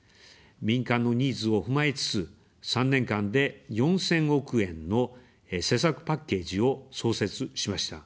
民間のニーズを踏まえつつ、３年間で４０００億円の施策パッケージを創設しました。